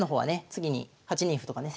次に８二歩とかね